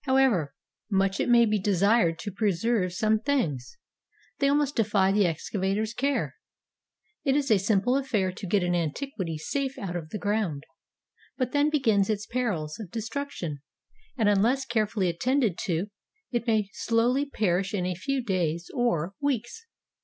However much it may be desired to preserve some things, they almost defy the excavator's care. It is a simple affair to get an antiquity safe out of the ground, but then begins its perils of destruction, and unless care fully attended to, it may slowly perish in a few days or weeks.